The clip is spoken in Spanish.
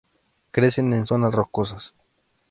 Crecen en zonas rocosas.